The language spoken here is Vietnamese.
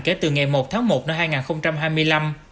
kể từ ngày một tháng một năm hai nghìn hai mươi năm